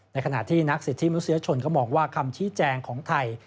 ขณะที่นักสิทธิมนุษยชนก็มองว่าคำชี้แจงของไทย